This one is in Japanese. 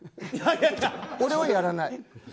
俺はやらない。